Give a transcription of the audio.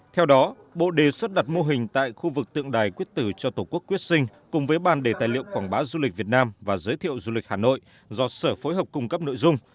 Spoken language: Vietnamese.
theo đó bộ đề xuất đặt mô hình tại khu vực tượng đài quyết tử cho tổ quốc quyết sinh cùng với ban đề tài liệu quảng bá du lịch việt nam và giới thiệu du lịch hà nội do sở phối hợp cung cấp nội dung